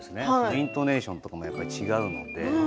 イントネーションとかも違うので。